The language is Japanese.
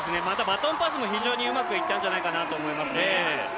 バトンパスも非常にうまくいったんじゃないかと思いますね。